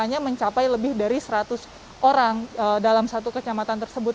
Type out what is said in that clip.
hanya mencapai lebih dari seratus orang dalam satu kecamatan tersebut